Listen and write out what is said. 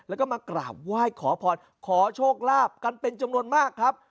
แล้วก็มากราบไหว้ขอพรขอโชคลาภกันเป็นจำนวนมากครับ